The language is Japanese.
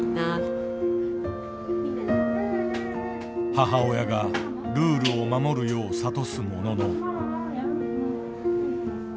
母親がルールを守るよう諭すものの。